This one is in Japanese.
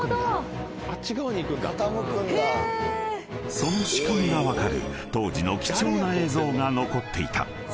［その仕組みが分かる当時の貴重な映像が残っていた］